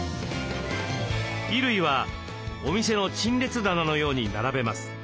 衣類はお店の陳列棚のように並べます。